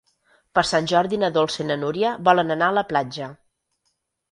Per Sant Jordi na Dolça i na Núria volen anar a la platja.